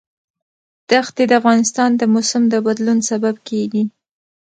دښتې د افغانستان د موسم د بدلون سبب کېږي.